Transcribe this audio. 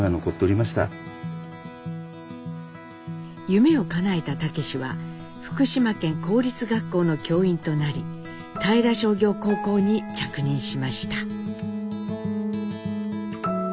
夢をかなえた武は福島県公立学校の教員となり平商業高校に着任しました。